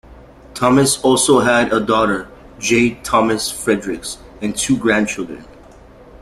Thompson also had a daughter, Jade Thompson-Fredericks, and two grandchildren.